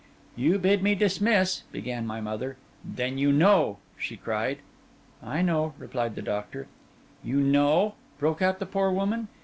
'You bid me dismiss—' began my mother. 'Then you know!' she cried. 'I know,' replied the doctor. 'You know?' broke out the poor woman.